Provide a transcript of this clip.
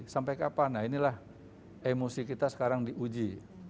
sampai kapan nah inilah emosi kita sekarang diuji